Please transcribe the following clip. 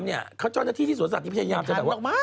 เจ้าหน้าที่ที่สวนสัตว์พยายามจะแบบว่า